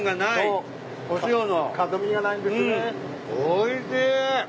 おいしい。